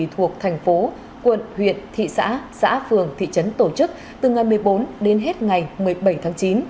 thuộc thành phố quận huyện thị xã xã phường thị trấn tổ chức từ ngày một mươi bốn đến hết ngày một mươi bảy tháng chín